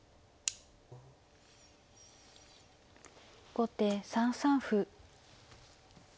後手３三歩。